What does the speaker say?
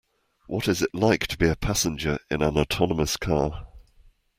What is it like to be a passenger in an autonomous car?